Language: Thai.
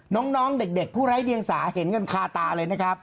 น้องเด็กผู้ไร้เดียงสาเห็นกันคาตาเลยนะครับ